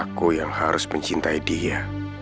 aku yang harus mencintai dia